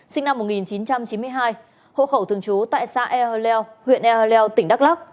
sinh năm một nghìn chín trăm chín mươi hai hộ khẩu thường trú tại xã e hơ leo huyện e hơ leo tỉnh đắk lắc